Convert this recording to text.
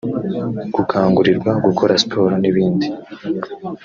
gukangurirwa gukora siporo n’ibindi